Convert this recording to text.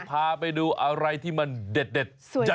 พาไปดูอะไรที่มันเด็ด